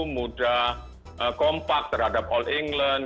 mudah kompak terhadap all england